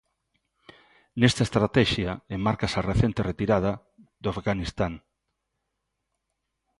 Nesta estratexia enmárcase a recente retirada do Afganistán.